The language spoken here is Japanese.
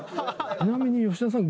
ちなみに吉田さん